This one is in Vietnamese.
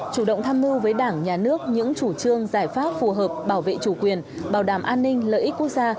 chủ động tham mưu với đảng nhà nước những chủ trương giải pháp phù hợp bảo vệ chủ quyền bảo đảm an ninh lợi ích quốc gia